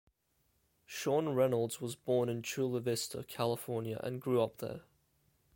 Sean Reynolds was born in Chula Vista, California, and grew up there.